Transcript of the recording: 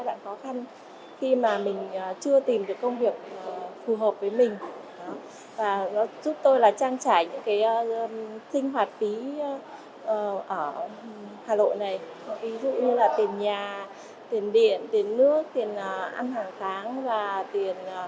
để trong khoản đấy tôi tìm hiểu công việc xu hướng nghề nghiệp mới